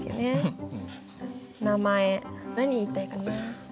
名前何言いたいかな。